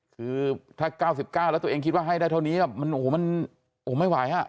คือถ้า๙๙แล้วตัวเองคิดว่าให้ได้เท่านี้มันโอ้โหมันไม่ไหวอ่ะ